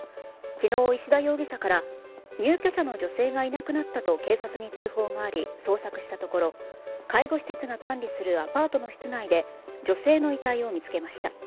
昨日、石田容疑者から入居者の女性がいなくなったと警察に通報があり捜索したところ介護施設が管理するアパートの室内で女性の遺体を見つけました。